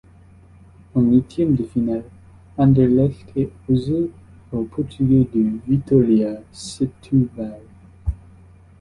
En huitièmes de finale, Anderlecht est opposé aux portugais du Vitória Setúbal.